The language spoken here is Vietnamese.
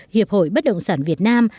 hiệp hội bất động sản việt nam